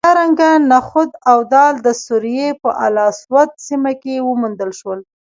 همدارنګه نخود او دال د سوریې په الاسود سیمه کې وموندل شول